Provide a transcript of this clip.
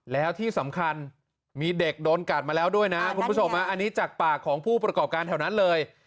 แล้วที่สำคัญมีเด็กโดนกัดมาแล้วด้วยนะคุณผู้ชมอันนี้จากปากของผู้ประกอบการแถวนั้นเลย